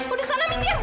udah sana mintia